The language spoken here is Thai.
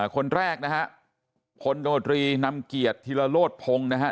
คนแรกนะฮะพลโดรีนำเกียรติธิรโลศพงศ์นะฮะ